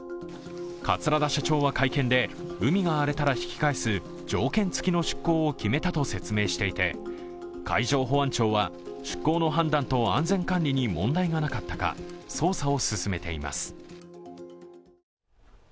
桂田社長は会見で、海が荒れたら引き返す条件付きの出航を決めたと説明していて海上保安庁は出航の判断と安全管理に問題がなかったか捜査を進めています。